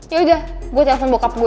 yaudah gue telfon bokap gue